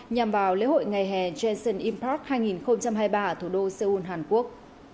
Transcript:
nhằm vào lễ hội ngày hè janssen impact hai nghìn hai mươi ba ở thủ đô seoul hàn quốc